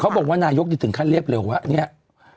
เค้าบอกว่านายกมีถึงขั้นเรียบเร็วอ่ะ